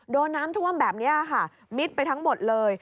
โดนน้ำท่วมแบบนี้ค่ะมิดไปทั้งหมดเลย